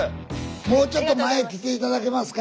もうちょっと前来て頂けますか？